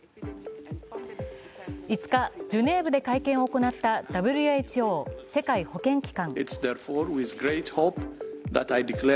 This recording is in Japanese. ５日、ジュネーブで会見を行ったＷＨＯ＝世界保健機関。